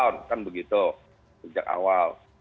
kan begitu sejak awal